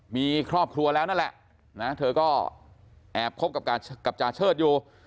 มีครอบครัวแล้วนั่นแหละนะเธอก็แอบคบกับจาเชิดอยู่